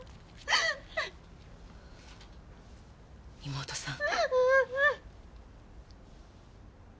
妹さん。